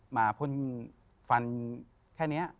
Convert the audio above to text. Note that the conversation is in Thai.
มาพลฟันแค่เนี้ย